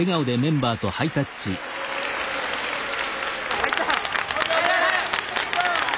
入った！